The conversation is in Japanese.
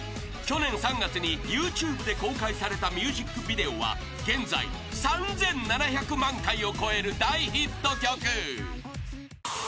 ［去年３月にＹｏｕＴｕｂｅで公開されたミュージックビデオは現在３，７００万回を超える大ヒット曲］